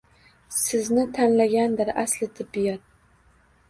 Sizni tanlagandir asli Tibbiyot!